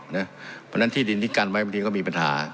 เพราะฉะนั้นที่ดินที่กันไว้บางทีก็มีปัญหา